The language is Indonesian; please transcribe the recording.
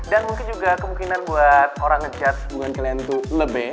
dan mungkin juga kemungkinan buat orang ngejudge hubungan kalian itu lebih